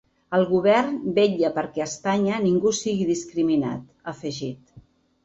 El govern vetlla perquè a Espanya ningú sigui discriminat, ha afegit.